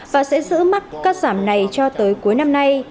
và sẽ giữ mắt cắt giảm này cho tới cuối năm nay